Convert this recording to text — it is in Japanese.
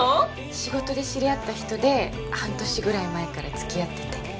仕事で知り合った人で半年ぐらい前から付き合ってて。